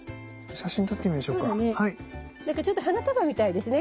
なんかちょっと花束みたいですね